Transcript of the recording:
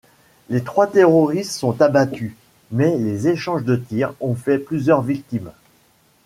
Les trois terroristes sont abattus, mais les échanges de tirs ont fait plusieurs victimes.